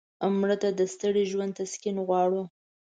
مړه ته د ستړي ژوند تسکین غواړو